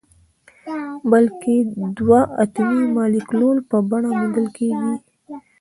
بلکې د دوه اتومي مالیکول په بڼه موندل کیږي.